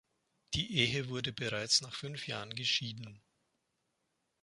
Die Ehe wurde bereits nach fünf Jahren geschieden.